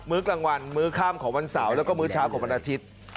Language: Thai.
ื้อกลางวันมื้อข้ามของวันเสาร์แล้วก็มื้อเช้าของวันอาทิตย์